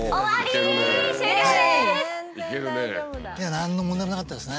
何の問題もなかったですね。